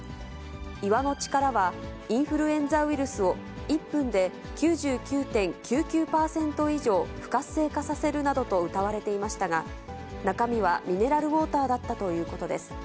岩の力は、インフルエンザウイルスを１分で９９．９９％以上、不活性化させるなどとうたわれていましたが、中身はミネラルウォーターだったということです。